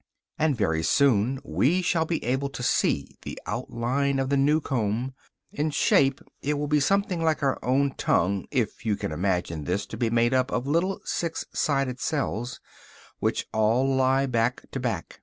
And very soon we shall be able to see the outline of the new comb. In shape it will be something like our own tongue, if you can imagine this to be made up of little six sided cells, which all lie back to back.